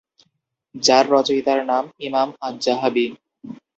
যার রচয়িতার নাম ইমাম আয-যাহাবি।